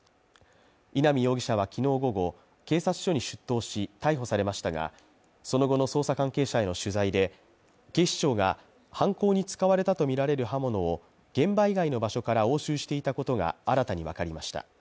稲見容疑者はきのう午後、警察署に出頭し逮捕されましたが、その後の捜査関係者への取材で、警視庁が犯行に使われたと見られる刃物を現場以外の場所から押収していたことが新たにわかりました。